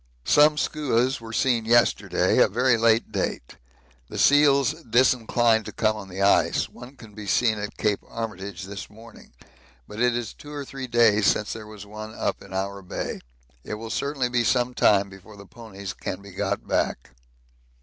Some skuas were seen yesterday, a very late date. The seals disinclined to come on the ice; one can be seen at Cape Armitage this morning, but it is two or three days since there was one up in our Bay. It will certainly be some time before the ponies can be got back.